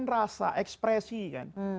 rasa ekspresi kan